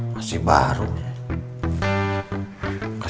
mak ida apaan juga